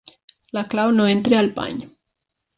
La clau no entra al pany.